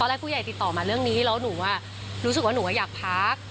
แรกผู้ใหญ่ติดต่อมาเรื่องนี้แล้วหนูรู้สึกว่าหนูอยากพัก